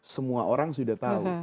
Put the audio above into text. semua orang sudah tahu